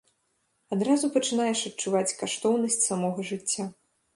Адразу пачынаеш адчуваць каштоўнасць самога жыцця.